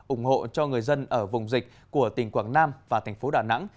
ủng hộ cho người dân ở vùng dịch của tỉnh quảng nam và thành phố đà nẵng